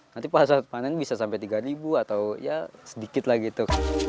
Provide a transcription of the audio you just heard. nanti pas saat panen bisa sampai tiga ribu atau ya sedikit lah gitu